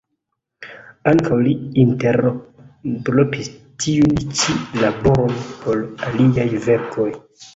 Ankaŭ li interrompis tiun ĉi laboron por aliaj verkoj.